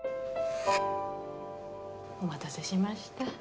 お待たせしました。